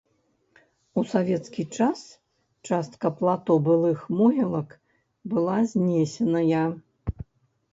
У савецкі час частка плато былых могілак была знесеная.